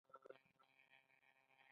خبرې کول څه ګټه لري؟